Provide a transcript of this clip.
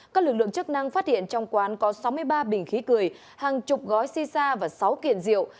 các lực lượng chức năng phát hiện trong quán có sáu mươi ba bình khí cười hàng chục gói si sa và sáu kiện rượu